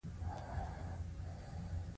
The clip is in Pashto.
مرسل یوه پیاوړي نجلۍ ده.